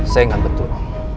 saya ingat betul